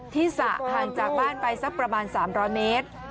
สระห่างจากบ้านไปสักประมาณ๓๐๐เมตร